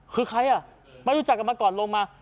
คือใครอ่ะไม่รู้จักกันมาก่อนลงมา